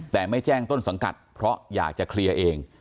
แต่ไม่แจ้งต้นสังกัดเพราะอยากจะเคลียร์เอง